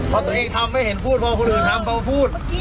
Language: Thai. พอตัวเองทำไม่เห็นพูดพอคนอื่นทำพอพูด